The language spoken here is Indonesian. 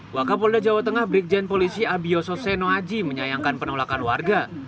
wakapolda jawa tengah brigjen polisi abioso senoaji menyayangkan penolakan warga